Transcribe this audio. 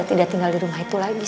aku sudah tidur di rumah itu lagi